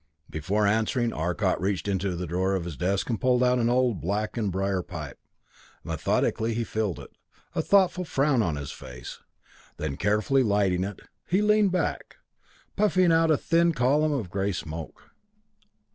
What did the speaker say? Before answering, Arcot reached into a drawer of his desk and pulled out an old blackened briar pipe. Methodically he filled it, a thoughtful frown on his face; then carefully lighting it, he leaned back, puffing out a thin column of gray smoke.